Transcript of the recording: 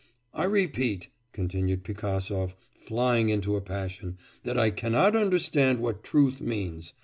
'I repeat,' continued Pigasov, flying into a passion, 'that I cannot understand what truth means.